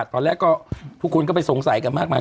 ตอนแรกก็ทุกคนก็ไปสงสัยกันมากมาย